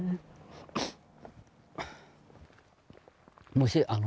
もしあの